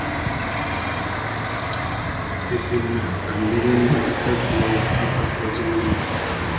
Pepena râ mbérénô i tà djôma wussi pandú azê ngu mú.